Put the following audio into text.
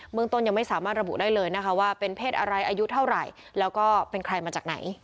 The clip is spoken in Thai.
เมืองต้นยังไม่สามารถระบุได้เลยนะคะว่าเป็นเพศอะไรอายุเท่าไหร่แล้วก็เป็นใครมาจากไหน